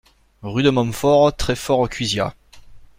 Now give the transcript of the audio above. Rue de Montfort, Treffort-Cuisiat